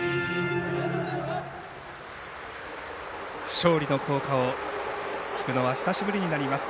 勝利の校歌を聴くのは久しぶりになります。